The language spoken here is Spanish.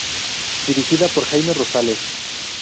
Dirigida por Jaime Rosales.